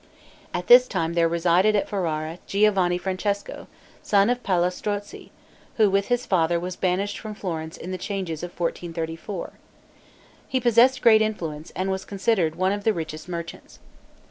At this time there resided at Ferrara, Giovanni Francesco, son of Palla Strozzi, who, with his father, was banished from Florence in the changes of 1434. He possessed great influence, and was considered one of the richest merchants.